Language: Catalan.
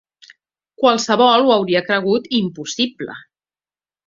Qualsevol ho hauria cregut impossible